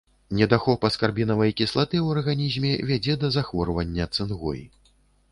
Недахоп аскарбінавай кіслаты ў арганізме вядзе да захворвання цынгой.